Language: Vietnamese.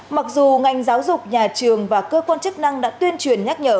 mặc dù ngành giáo dục nhà trường và cơ quan chức năng đã tuyên truyền nhắc nhở